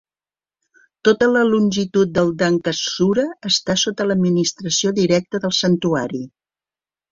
Tota la longitud del dankazura està sota l'administració directa del santuari.